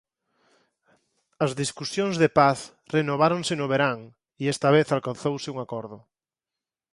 As discusións de paz renováronse no verán e esta vez alcanzouse un acordo.